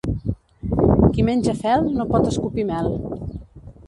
Qui menja fel no pot escopir mel.